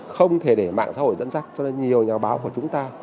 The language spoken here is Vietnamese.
không thể để mạng xã hội dẫn dắt cho nên nhiều nhà báo của chúng ta